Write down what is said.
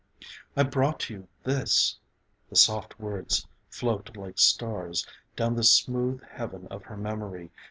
'I brought you this ...' the soft words float like stars Down the smooth heaven of her memory.